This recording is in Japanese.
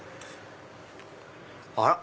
あら！